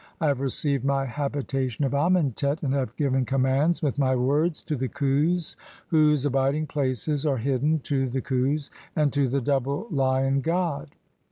I have received [my habitation of Amentet, "and have given commands] with my words to the [Khus] whose "abiding places are hidden (3), to the Khus and to the double "Lion god.